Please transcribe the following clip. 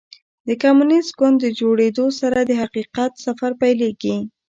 د کمونیسټ ګوند جوړېدو سره د حقیقت سفر پیلېږي.